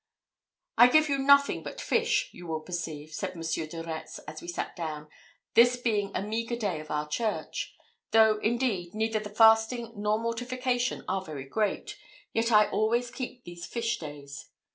"I give you nothing but fish, you will perceive," said Monsieur de Retz, as we sat down, "this being a meagre day of our church. Though, indeed, neither the fasting nor mortification are very great, yet I always keep these fish days.